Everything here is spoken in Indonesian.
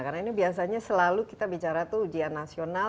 karena ini biasanya selalu kita bicara tuh ujian nasional